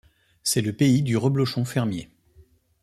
C’est le pays du Reblochon fermier.